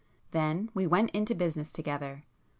Then we went into business together.